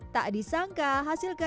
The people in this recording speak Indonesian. tak disangka hasil karya